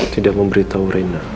tidak memberitahu reina